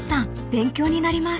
勉強になります］